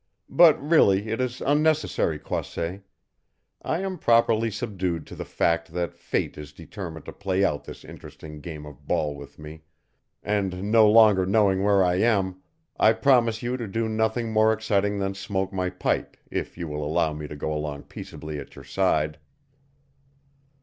"But, really, it is unnecessary, Croisset. I am properly subdued to the fact that fate is determined to play out this interesting game of ball with me, and no longer knowing where I am, I promise you to do nothing more exciting than smoke my pipe if you will allow me to go along peaceably at your side."